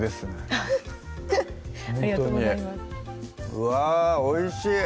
うわぁおいしい！